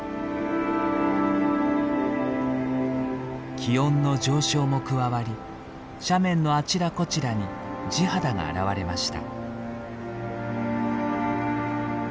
気温の上昇も加わり斜面のあちらこちらに地肌が現れました。